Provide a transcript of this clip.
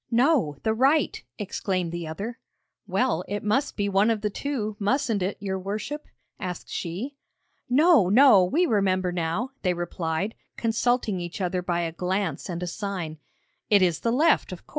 'No; the right,' exclaimed the other. 'Well, it must be one of the two, mustn't it, your worship?' asked she. 'No, no! we remember now,' they replied, consulting each other by a glance and a sign; 'it is the left, of course.'